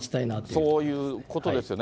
そういうことですよね。